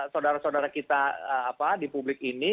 saudara saudara kita di publik ini